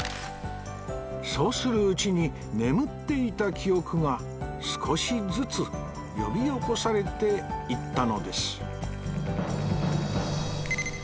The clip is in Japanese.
そうするうちに眠っていた記憶が少しずつ呼び起こされていったのです